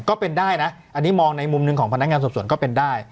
ก็เป็นได้นะอันนี้มองในมุมหนึ่งของพนักงานสอบสวนก็เป็นได้